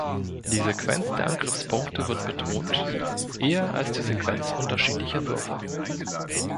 Die Sequenz der Angriffspunkte wird betont, eher als die Sequenz unterschiedlicher Würfe.